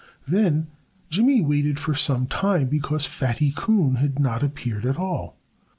Then Jimmy waited for some time, because Fatty Coon had not appeared at all.